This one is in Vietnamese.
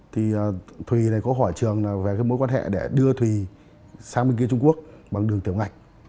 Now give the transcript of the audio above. thì thùy có hỏi trường về mối quan hệ để đưa thùy sang bên kia trung quốc bằng đường tiểu ngạch